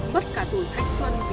mất cả tuổi thanh xuân vì ma túy